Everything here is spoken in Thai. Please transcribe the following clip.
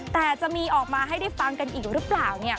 แต่จะมีออกมาให้ได้ฟังกันอีกหรือเปล่าเนี่ย